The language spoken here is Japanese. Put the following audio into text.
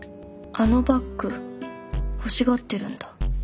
あのバッグ欲しがってるんだ。